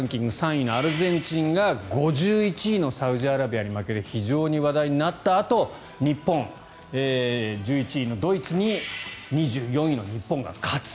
３位のアルゼンチンが５１位のサウジアラビアに敗れて非常に話題になったあと日本、１１位のドイツに２４位の日本が勝つ。